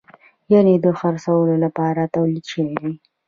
یعنې د خرڅولو لپاره تولید شوی وي.